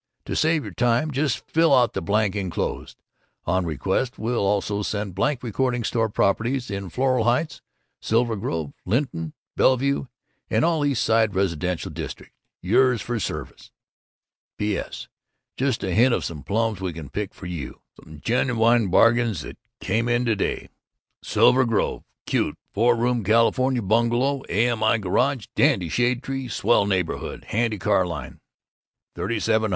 To save your time, just fill out the blank enclosed. On request will also send blank regarding store properties in Floral Heights, Silver Grove, Linton, Bellevue, and all East Side residential districts. Yours for service, P.S. Just a hint of some plums we can pick for you some genuine bargains that came in to day: SILVER GROVE. Cute four room California bungalow, a.m.i., garage, dandy shade tree, swell neighborhood, handy car line.